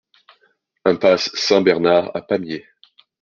Impasse Saint-Bernard à Pamiers